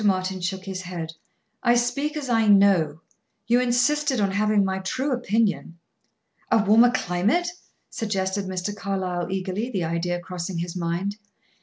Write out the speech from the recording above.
Martin shook his head. "I speak as I know. You insisted on having my true opinion." "A warmer climate?" suggested Mr. Carlyle eagerly, the idea crossing his mind.